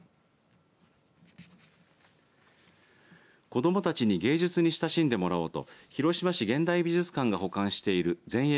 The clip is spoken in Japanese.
子どもたちに芸術に親しんでもらおうと広島市現代美術館の保管している前衛